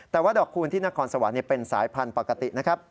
แต่ว่าดอกคูณที่นครสวรรค์เป็นสายพันธุ์ปกตินะครับ